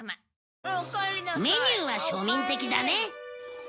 メニューは庶民的だね